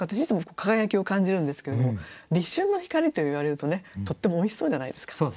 いつも輝きを感じるんですけれども「立春のひかり」と言われるとねとってもおいしそうじゃないですか。